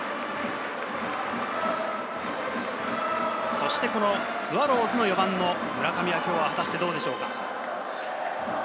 そしてこのスワローズの４番の村上は今日は果たしてどうでしょうか？